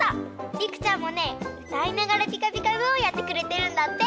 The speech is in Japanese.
りくちゃんもねうたいながら「ピカピカブ！」をやってくれてるんだって。